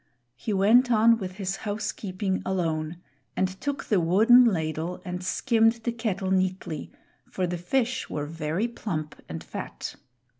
He went on with his housekeeping alone and took the wooden ladle and skimmed the kettle neatly, for the fish were very plump and fat.